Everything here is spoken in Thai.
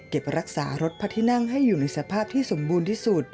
รักษารถพระที่นั่งให้อยู่ในสภาพที่สมบูรณ์ที่สุด